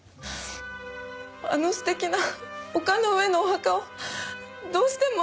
あの素敵な丘の上のお墓をどうしても私諦められなくて。